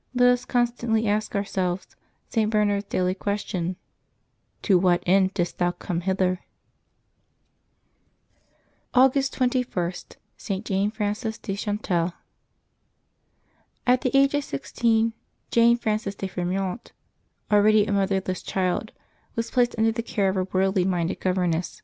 '' Let us constantly ask ourselves St. Bernard's daily question, " To what end didst thou come hither ?" AUGUST 21] LIVES OF THE SAINTS 289 August 21.— ST. JANE FRANCES DE CHANTAL. aT the age of sixteen^, Jane Frances de Fremyot, already a motherless child, was placed under the care of a worldly minded governess.